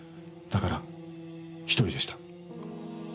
だから１人でした。